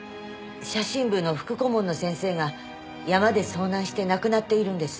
写真部の副顧問の先生が山で遭難して亡くなっているんです。